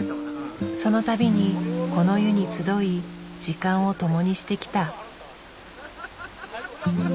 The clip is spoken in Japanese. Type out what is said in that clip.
その度にこの湯に集い時間をともにしてきた。